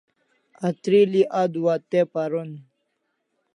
Atril'i audua te paron